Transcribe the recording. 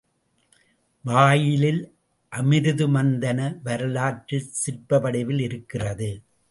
வாயிலில் அமிருத மந்தன வரலாறு சிற்ப வடிவில் இருக்கிறது.